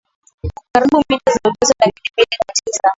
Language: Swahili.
karibu mita za ujazo laki mbili na tisa